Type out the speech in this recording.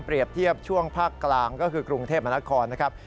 เทียบช่วงภาคกลางก็คือกรุงเทพมนาคอนนะครับ